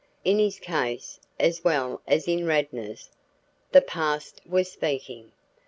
In his case, as well as in Radnor's, the past was speaking.